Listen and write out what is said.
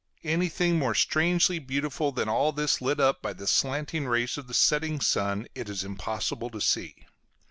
anything more strangely beautiful than all this lit up by the slanting rays of the setting sun it is impossible to see.